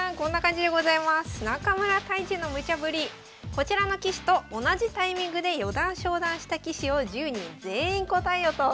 こちらの棋士と同じタイミングで四段昇段した棋士を１０人全員答えよと。